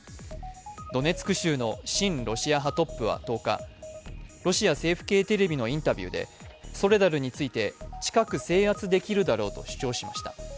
ドネツク州の親ロシア派トップは１０日、ロシア政府系テレビのインタビューで、ソレダルについて近く制圧できるだろうと主張しました。